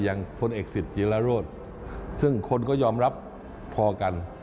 อย่างพลเอกศิษฐ์เย็ราโรธซึ่งคนก็ยอมรับพอกัน